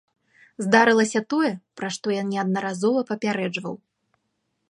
Здарылася тое, пра што я неаднаразова папярэджваў.